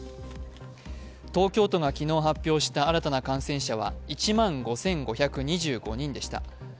東京都が昨日発表した新たな感染者は１万５５２５人でした。